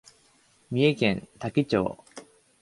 三重県多気町